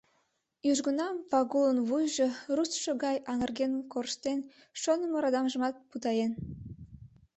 Южгунам Пагулын вуйжо руштшо гай аҥырген корштен, шонымо радамжымат путаен.